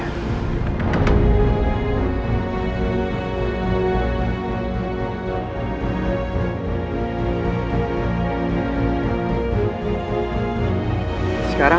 aku mau berbohong sama kamu